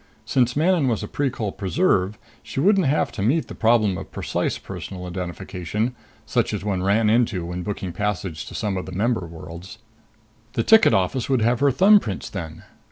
Since Manon was a Precol preserve, she wouldn't have to meet the problem of precise personal identification, such as one ran into when booking passage to some of the member worlds. The ticket office would have her thumbprints then.